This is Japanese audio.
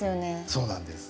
そうなんです。